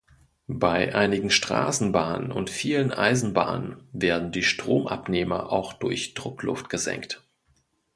Bei einigen Straßenbahnen und vielen Eisenbahnen werden die Stromabnehmer auch durch Druckluft gesenkt.